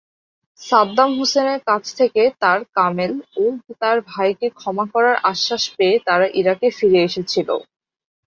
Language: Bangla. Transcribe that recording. সাদ্দাম হুসেনের কাছ থেকে তার কামেল ও তার ভাইকে ক্ষমা করার আশ্বাস পেয়ে তারা ইরাকে ফিরে এসেছিল।